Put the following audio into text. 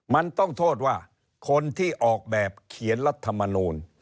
มันต้องโทษว่าคนที่ออกแบบเขียนรัฐมนูล